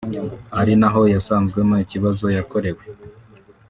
ari naho iyasanzwemo ikibazo yakorewe